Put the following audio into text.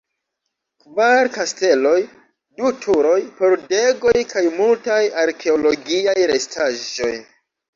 Kvar kasteloj, du turoj, pordegoj kaj multaj arkeologiaj restaĵoj.